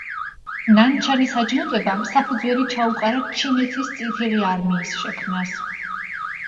ნანჩანის აჯანყებამ საფუძველი ჩაუყარა ჩინეთის წითელი არმიის შექმნას.